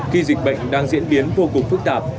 khi dịch bệnh đang diễn biến vô cùng phức tạp